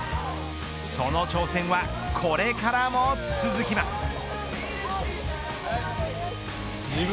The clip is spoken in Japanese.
その挑戦はこれからも続きます。